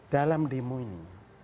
dalam demo ini